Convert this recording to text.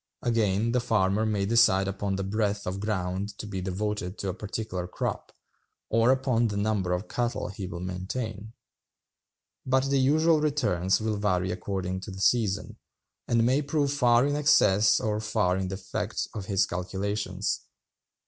Again, the farmer may decide upon the breadth of ground to be devoted to a particular crop, or upon the number of cattle he will maintain; but the actual returns will vary according to the season, and may prove far in excess or far in defect of his calculations.